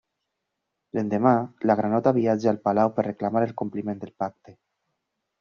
L'endemà la granota viatja a palau per reclamar el compliment del pacte.